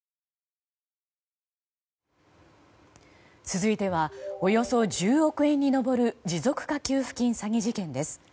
続いてはおよそ１０億円に上る持続化給付金詐欺事件です。